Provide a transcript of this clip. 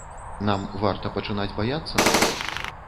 Нам варта пачынаць баяцца?